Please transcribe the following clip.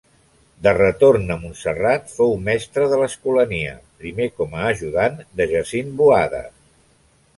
De retorn a Montserrat, fou mestre de l'escolania, primer com a ajudant de Jacint Boada.